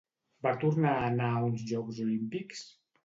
Va tornar a anar a uns Jocs Olímpics?